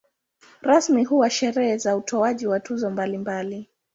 Rasmi huwa sherehe za utoaji wa tuzo mbalimbali.